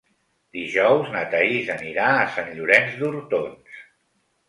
Dijous na Thaís anirà a Sant Llorenç d'Hortons.